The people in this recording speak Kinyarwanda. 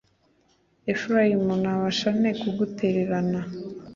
Efurayimu, nabasha nte kugutererana,